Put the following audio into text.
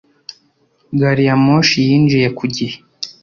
Gari ya moshi yinjiye ku gihe